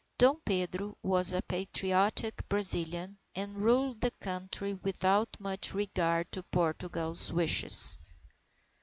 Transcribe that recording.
Dom Pedro was a patriotic Brazilian, and ruled the Country without much regard to Portugal's wishes.